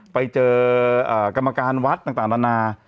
ไปเจอกรรมการวัดต่างนานา